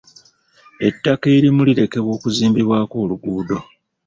Ettaka erimu lirekebwa okuzimbibwako oluguudo.